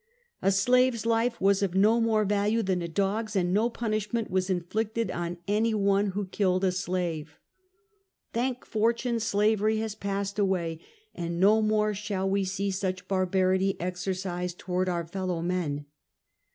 A slave's life was of no more value than a dog's, and no punish ment was inflicted on any one who killed a slave. Thank fortune, slavery has passed away, and no more shall we see such barbarity exercised toward our fellow men.